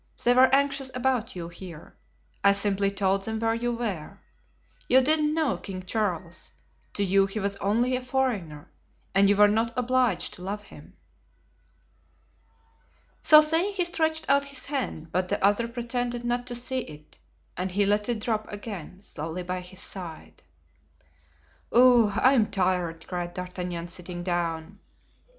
They were anxious about you here; I simply told them where you were. You didn't know King Charles; to you he was only a foreigner and you were not obliged to love him." So saying, he stretched out his hand, but the other pretended not to see it and he let it drop again slowly by his side. "Ugh! I am tired," cried D'Artagnan, sitting down.